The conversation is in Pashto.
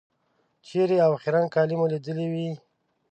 چېرې او خیرن کالي مو لوېدلي وو.